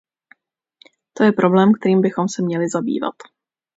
To je problém, kterým bychom se měli zabývat.